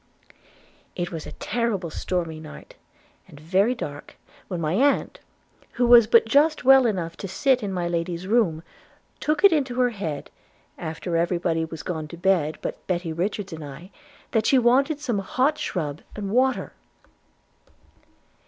It was a terrible stormy night and very dark, when my aunt, who was but just got well enough to sit in my lady's room, took it into her head, after every body was gone to bed but Betty Richards and I, that she wanted some hot shrub and water.